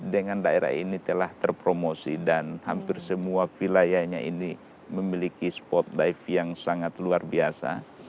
dengan daerah ini telah terpromosi dan hampir semua wilayahnya ini memiliki spot dive yang sangat luar biasa